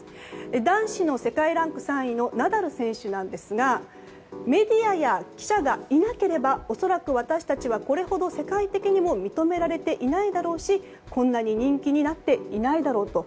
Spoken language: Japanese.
男子の世界ランク３位のナダル選手なんですがメディアや記者がいなければ恐らく私たちはこれほど世界的にも認められていないだろうしこんなに人気になっていないだろうと。